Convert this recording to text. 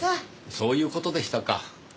そういう事でしたか。